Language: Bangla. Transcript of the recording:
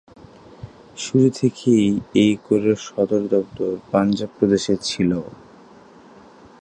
শুরু থেকেই এই কোরের সদর-দপ্তর পাঞ্জাব প্রদেশে ছিলো।